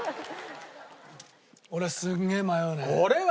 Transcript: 俺すげえ迷うね。